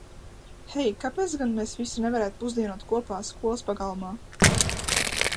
Hei, kāpēc gan mēs visi nevarētu pusdienot kopā skolas pagalma?